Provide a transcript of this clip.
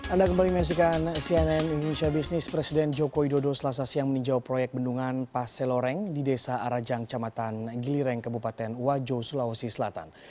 anda kembali menyaksikan cnn indonesia business presiden joko widodo selasa siang meninjau proyek bendungan paseloreng di desa arajang camatan gilireng kabupaten wajo sulawesi selatan